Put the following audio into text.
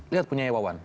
lihat punya ewan